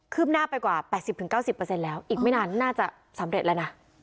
ขึ้นหน้าไปกว่า๘๐ถึง๙๐เปอร์เซ็นต์แล้วอีกไม่นานน่าจะสำเร็จแล้วน่ะ